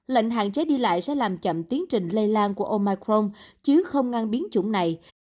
lệnh hạn chế đi lại sẽ làm chậm tiến trình lây lan của omaicron chứ không ngang biến chủng này